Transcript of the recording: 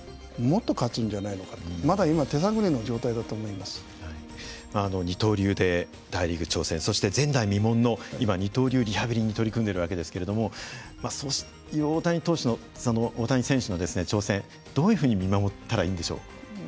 まあ二刀流で大リーグ挑戦そして前代未聞の今二刀流リハビリに取り組んでいるわけですけれども大谷選手の挑戦どういうふうに見守ったらいいんでしょう？